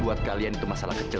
buat kalian itu masalah kecil